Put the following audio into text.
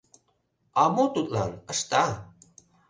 — А мо тудлан... ышта...